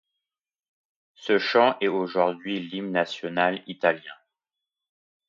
Ce chant est aujourd'hui l'hymne national italien.